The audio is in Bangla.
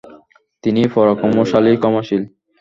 তিনি পরাক্রমশালী, ক্ষমাশীল।